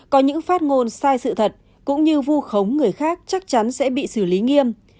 có những phát ngôn sai sự thật cũng như vu khống người khác chắc chắn sẽ bị xử lý nghiêm